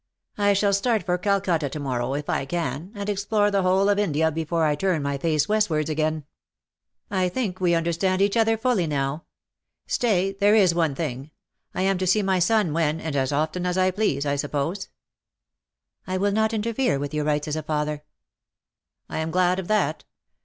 I shall start for Calcutta to morrow, if I can, and explore the whole of India before I turn my face westwards again. I think we understand each other fully, now. Stay, there is one thing : I am to see my son when, and as often as I please, I suppose.^'' "^I will not interfere with your rights as a father.'^ *' I am glad of that.